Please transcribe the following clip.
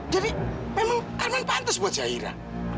jadi memang arman pantes buat zaira